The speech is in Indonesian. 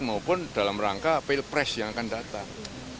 maupun dalam rangka pilpres yang akan datang